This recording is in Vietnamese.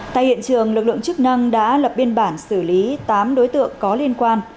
tại hiện trường lực lượng chức năng đã lập biên bản xử lý tám đối tượng có liên quan